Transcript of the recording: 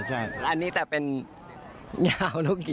ใช่อันนี้จะเป็นยาวลูกหยี